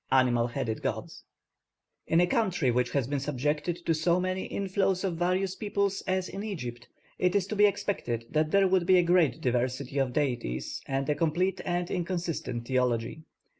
ANIMAL HEADED GODS In a country which has been subjected to so many inflows of various peoples as in Egypt, it is to be expected that there would be a great diversity of deities and a complex and inconsistent theology.